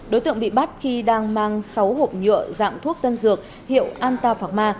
đối tượng bị bắt khi đang mang sáu hộp nhựa dạng thuốc tân dược hiệu antafarma